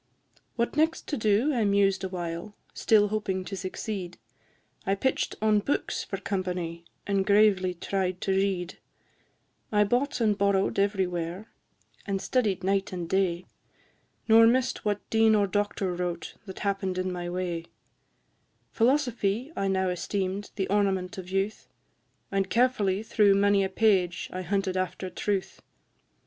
V. What next to do I mused awhile, Still hoping to succeed; I pitch'd on books for company, And gravely tried to read: I bought and borrow'd everywhere, And studied night and day, Nor miss'd what dean or doctor wrote That happen'd in my way: Philosophy I now esteem'd The ornament of youth, And carefully through many a page I hunted after truth.